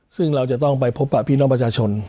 ซึ่งเราจะต้องไปพบพี่น้องประชาชน